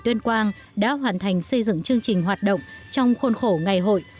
tuyên quang đã hoàn thành xây dựng chương trình hoạt động trong khuôn khổ ngày hội